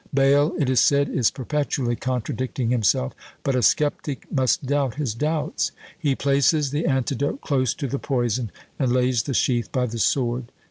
Bayle, it is said, is perpetually contradicting himself; but a sceptic must doubt his doubts; he places the antidote close to the poison, and lays the sheath by the sword.